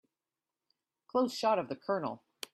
Close shot of the COLONEL.